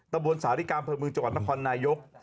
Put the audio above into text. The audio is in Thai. ตระบวนสาธิกรรมพลเมืองจักรนครนายก